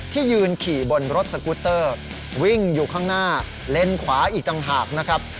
ที่ยืนขี่บนรถสกูตเตอร์วิ่งอยู่ข้างหน้าเลนส์ขวาอีกต่างหากนะครับ